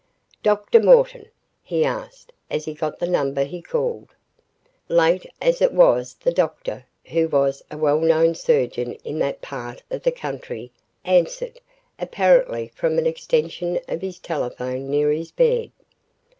"Dr. Morton?" he asked as he got the number he called. Late as it was the doctor, who was a well known surgeon in that part of the country, answered, apparently from an extension of his telephone near his bed.